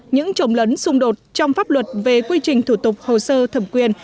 những trồng lấn xung đột trong pháp luật về quy trình thủ tục hồ sơ thẩm quyền